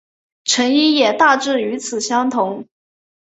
成因也大致与此相同。